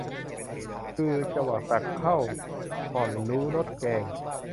คือจวักตักเข้า ห่อนรู้รสแกง